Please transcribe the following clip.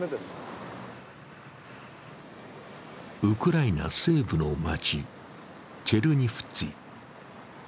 ウクライナ西部の町、チェルニフツィ。